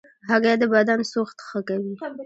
هګۍ د بدن سوخت ښه کوي.